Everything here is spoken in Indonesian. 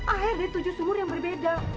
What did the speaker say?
air dari tujuh sumur yang berbeda